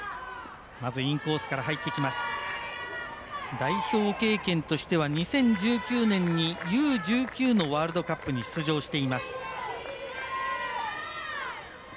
代表経験としては２０１９年にＵ‐１９のワールドカップに出場しています。